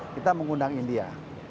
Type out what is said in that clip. kita mengundang india